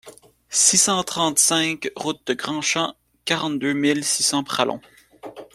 six cent trente-cinq route de Grandchamp, quarante-deux mille six cents Pralong